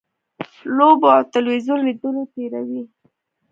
لوبو او تلویزیون لیدلو تېروي.